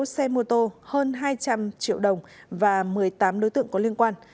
một xe mô tô hơn hai trăm linh triệu đồng và một mươi tám đối tượng có liên quan